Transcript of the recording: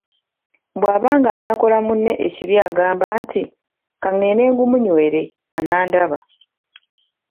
Bw’aba ng'anaakola munne ekibi agamba nti, “Ka ngende ngumunywere, anandaba".